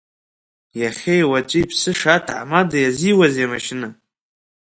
Иахьеи уаҵәи иԥсыша аҭаҳмада иазиуазеи амашьына?